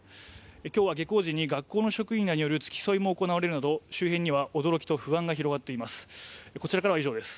今日は下校時に学校の職員らによる付き添いも行われるなど、周辺には、驚きと不安が広がっています